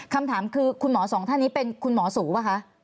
คำถามคือคุณหมอสองท่านนี้เป็นคุณหมอสูป่ะคะ